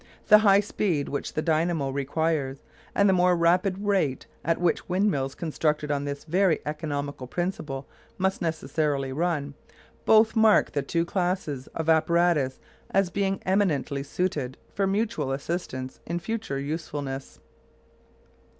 The high speed which the dynamo requires, and the more rapid rate at which windmills constructed on this very economical principle must necessarily run, both mark the two classes of apparatus as being eminently suited for mutual assistance in future usefulness.